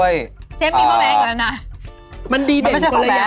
เชฟมีความแม่งแล้วนะ